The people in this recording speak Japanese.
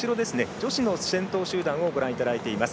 女子の先頭集団をご覧いただいています。